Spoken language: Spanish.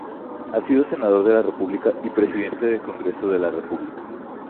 Ha sido senador de la República y presidente del Congreso de la República.